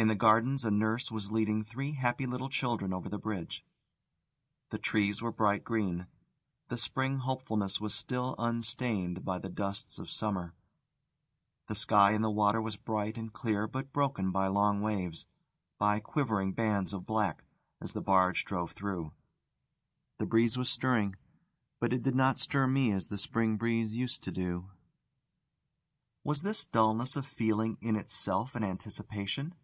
In the Gardens a nurse was leading three happy little children over the bridge. The trees were bright green; the spring hopefulness was still unstained by the dusts of summer; the sky in the water was bright and clear, but broken by long waves, by quivering bands of black, as the barge drove through. The breeze was stirring; but it did not stir me as the spring breeze used to do. Was this dulness of feeling in itself an anticipation?